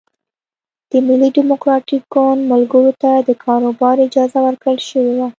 د ملي ډیموکراتیک ګوند ملګرو ته د کاروبار اجازه ورکړل شوې وه.